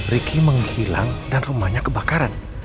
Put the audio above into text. riki menghilang dan rumahnya kebakaran